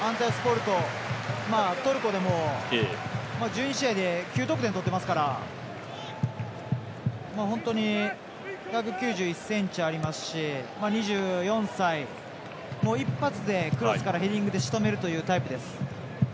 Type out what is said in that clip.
トルコでも１２試合でも９得点取っていますから１９０ｃｍありますし２４歳、一発でクロスからヘディングでしとめるというタイプです。